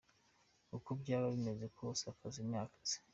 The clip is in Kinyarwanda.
Uko byaba bimeze kose akazi ni akazi.